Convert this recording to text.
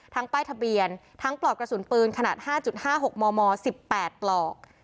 ทั้งป้ายทะเบียนทั้งกรอบกระสุนปืนขนาดห้าจุดห้าหกมมสิบแปดกรอก